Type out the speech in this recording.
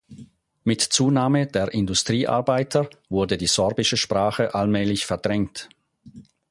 Mit Zunahme der Industriearbeiter wurde die sorbische Sprache allmählich verdrängt.